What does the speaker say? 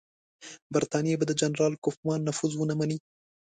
برټانیه به د جنرال کوفمان نفوذ ونه مني.